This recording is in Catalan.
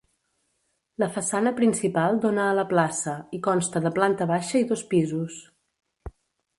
La façana principal dóna a la plaça, i consta de planta baixa i dos pisos.